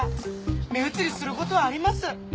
目移りすることはあります。